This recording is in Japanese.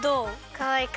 かわいい。